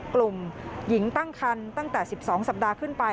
กลุ่มหญิงตั้งคันตั้งแต่๑๒สัปดาห์ขึ้นไป